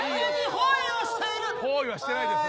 包囲はしてないです。